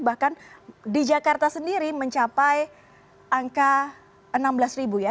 bahkan di jakarta sendiri mencapai angka enam belas